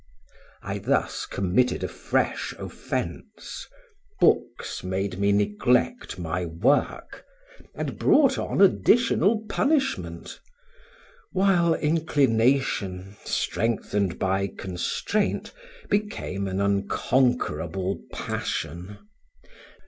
I thus committed a fresh offence, books made me neglect my work, and brought on additional punishment, while inclination, strengthened by constraint, became an unconquerable passion.